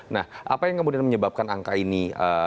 nah apa yang kemudian menyebabkan angka ini